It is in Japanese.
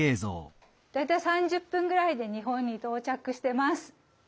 大体３０分ぐらいで日本にとう着してます。